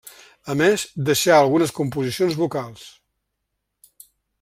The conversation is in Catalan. A més, deixà, algunes composicions vocals.